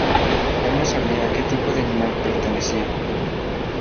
Él no sabía a que tipo de animal pertenecían.